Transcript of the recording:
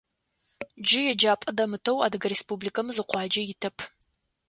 Джы еджапӏэ дэмытэу Адыгэ Республикэм зы къуаджэ итэп.